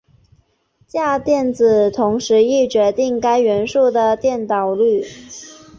价电子同时亦决定该元素的电导率。